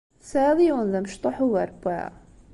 Tesɛiḍ yiwen d amecṭuḥ ugar n wa?